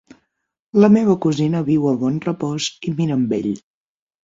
La meva cosina viu a Bonrepòs i Mirambell.